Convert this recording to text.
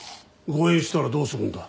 誤嚥したらどうするんだ？